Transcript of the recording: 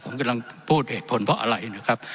ผมกำลังพูดเหตุผลเพราะอะไรนะครับ